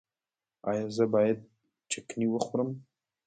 ایا زه باید چکنی وخورم؟